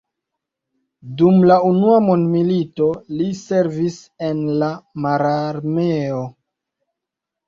Dum la Unua mondmilito li servis en la mararmeo.